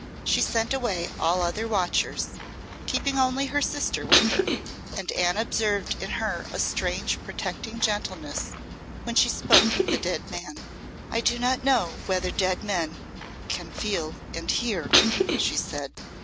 She sent away all other watchers, keeping only her sister with her, and Anne observed in her a strange protecting gentleness when she spoke of the dead man. "I do not know whether dead men can feel and hear," she said.